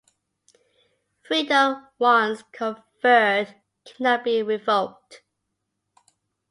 Freedom once conferred cannot be revoked.